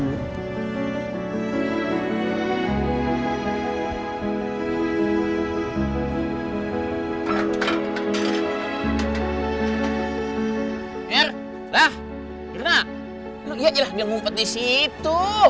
lu iya jelas dia ngumpet di situ